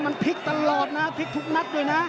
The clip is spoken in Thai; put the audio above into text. มันพลิกตลอดนะพลิกทุกนัดด้วยนะ